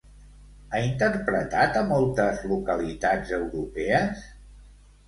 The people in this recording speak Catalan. Ha interpretat a moltes localitats europees?